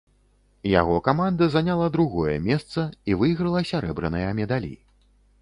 Яго каманда заняла другое месца і выйграла сярэбраныя медалі.